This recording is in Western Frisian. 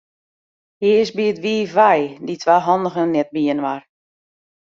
Hy is by it wiif wei, dy twa handigen net byinoar.